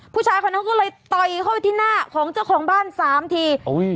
ผู้ชายคนนั้นก็เลยต่อยเข้าไปที่หน้าของเจ้าของบ้านสามที